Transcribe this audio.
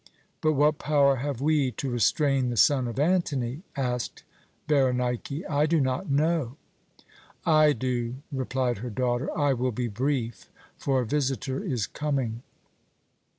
"But what power have we to restrain the son of Antony?" asked Berenike. "I do not know." "I do," replied her daughter. "I will be brief, for a visitor is coming."